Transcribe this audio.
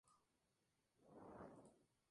Es el destino final de todos ellos.